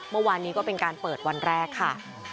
เมื่อวานนี้ก็เป็นการเปิดวันแรกค่ะ